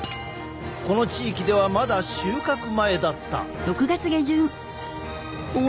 この地域ではまだ収穫前だった。